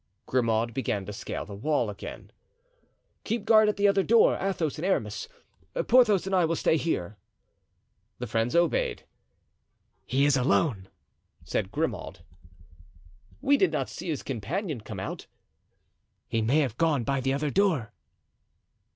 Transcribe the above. Grimaud began to scale the wall again. "Keep guard at the other door, Athos and Aramis. Porthos and I will stay here." The friends obeyed. "He is alone," said Grimaud. "We did not see his companion come out." "He may have gone by the other door."